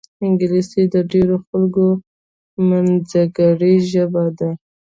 انګلیسي د ډېرو خلکو منځګړې ژبه ده